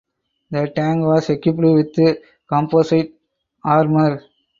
The tank was equipped with composite armour.